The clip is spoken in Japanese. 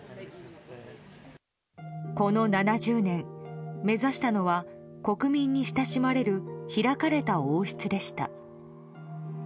この７０年、目指したのは国民に親しまれる開かれた王室でした。